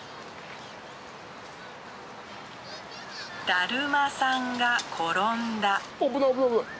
・だるまさんが転んだ・危ない危ない危ない。